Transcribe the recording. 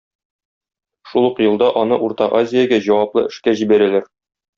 Шул ук елда аны Урта Азиягә җаваплы эшкә җибәрәләр.